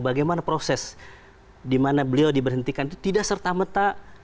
bagaimana proses di mana beliau diberhentikan itu tidak serta merta